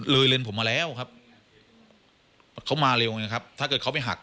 เลนผมมาแล้วครับเขามาเร็วไงครับถ้าเกิดเขาไปหัก